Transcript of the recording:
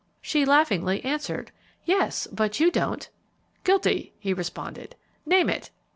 She laughingly answered, "Yes. But you don't!" "Guilty!" he responded. "Name it."